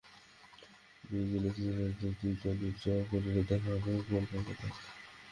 Brazil ও Switzerland দুই দলই ড্র করলে দেখা হবে গোল ব্যবধান।